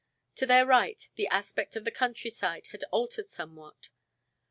To their right, the aspect of the countryside had altered somewhat.